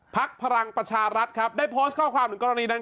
ภักดิ์พลังประชารัฐครับได้โพสต์ข้อความหนึ่งกรณีดัน